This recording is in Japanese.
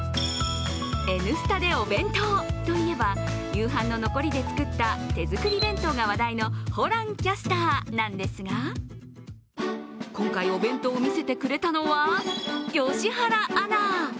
「Ｎスタ」でお弁当といえば夕飯の残りで作った手作り弁当が話題のホランキャスターなんですが、今回お弁当を見せてくれたのは良原アナ。